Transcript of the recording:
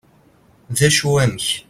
d acu amek?